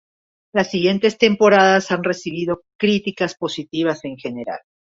Las siguientes temporadas han recibido críticas positivas en general.